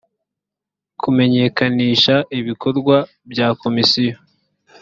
kumenyekanisha ibikorwa bya komisiyo